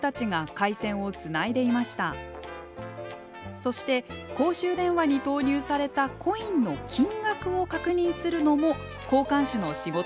そして公衆電話に投入されたコインの金額を確認するのも交換手の仕事でした。